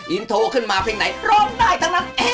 อินโทรขึ้นมาเพลงไหนร้องได้ทั้งนั้น